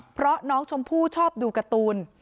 เพราะน้องชมพู่ชอบดูการ์ตูน